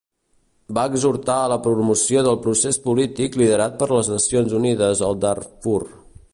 Va exhortar a la promoció del procés polític liderat per les Nacions Unides al Darfur.